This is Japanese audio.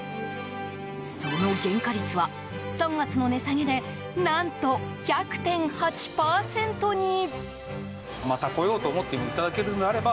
その原価率は、３月の値下げで何と１００．８％に。